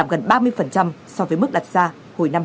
giảm gần ba mươi so với mức đặt ra hồi năm hai nghìn hai mươi